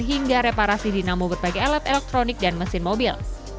hingga reparasi dinamo berbagai alat elektronik dan mesin mobil